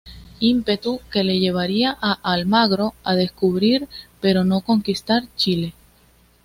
Ímpetu que le llevaría a Almagro a descubrir pero no conquistar Chile.